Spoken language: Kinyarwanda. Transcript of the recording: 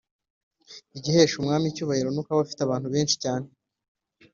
igihesha umwami icyubahiro ni uko aba afite abantu benshi cyane,